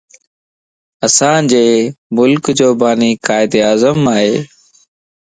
اسان جي ملڪ جو باني قائد اعظم ائي